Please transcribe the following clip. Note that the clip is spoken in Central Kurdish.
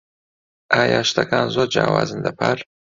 ئایا شتەکان زۆر جیاوازن لە پار؟